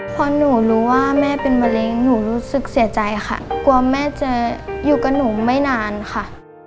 พอหนูรู้ว่าแม่เป็นมะเร็งหนูรู้สึกเสียใจค่ะกลัวแม่จะอยู่กับหนูไม่นานค่ะ